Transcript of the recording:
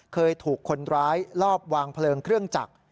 เคยถูกคนร้ายลอบวางเพลิงเครื่องจักร